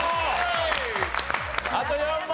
あと４問。